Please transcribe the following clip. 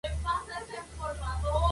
Andrews, donde estudió teología.